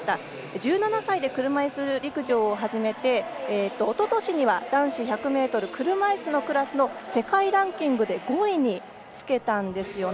１７歳で車いす陸上を始めておととしには男子１００ｍ車いすのクラスで世界ランキングで５位につけたんですよね。